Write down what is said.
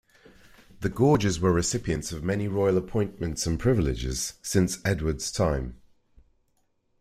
The Gorges were recipients of many royal appointments and privileges since Edward's time.